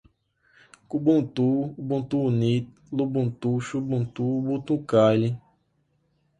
kubuntu, ubuntu unity, lubuntu, xubuntu, ubuntu kylin